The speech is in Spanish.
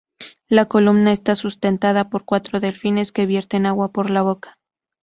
La columna está sustentada por cuatro delfines que vierten agua por la boca.